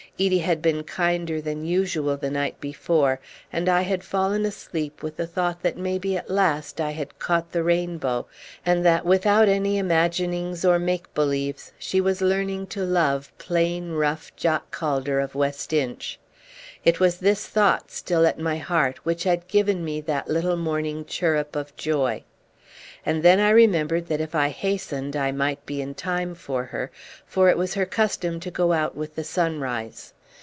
Edie had been kinder than usual the night before, and I had fallen asleep with the thought that maybe at last I had caught the rainbow, and that without any imaginings or make believes she was learning to love plain, rough Jock Calder of West Inch. It was this thought, still at my heart, which had given me that little morning chirrup of joy. And then I remembered that if I hastened I might be in time for her, for it was her custom to go out with the sunrise.